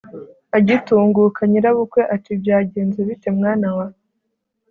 agitunguka, nyirabukwe ati byagenze bite, mwana wa